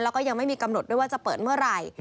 แล้วก็ยังไม่มีกำหนดด้วยว่าจะเปิดเมื่อไหร่